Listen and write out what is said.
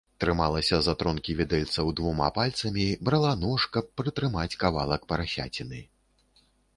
Трымалася за тронкі відэльцаў двума пальцамі, брала нож, каб прытрымаць кавалак парасяціны.